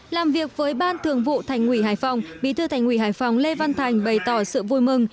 làm việc với ban thường vụ thành ủy hải phòng bí thư thành ủy hải phòng lê văn thành bày tỏ sự vui mừng